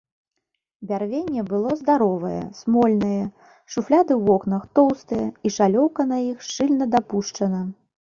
Бярвенне было здаровае, смольнае, шуфляды ў вокнах тоўстыя і шалёўка на іх шчыльна дапушчана.